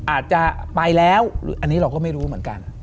อาจจะไปแล้วหรืออันนี้เราก็ไม่รู้เหมือนกัน